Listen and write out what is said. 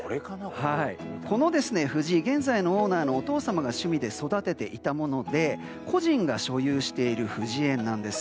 この藤現在のオーナーのお父様が趣味で育てていたもので個人が所有している藤園なんです。